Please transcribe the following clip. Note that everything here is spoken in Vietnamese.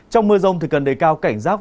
trong mưa rông thì cần đầy cao cảnh giác